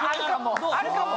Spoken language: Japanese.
あるかも。